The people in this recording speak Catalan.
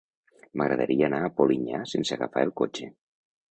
M'agradaria anar a Polinyà sense agafar el cotxe.